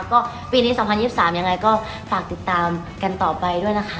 ก็ปีนี้๒๐๒๓ยังไงก็ฝากติดตามกันต่อไปด้วยนะคะ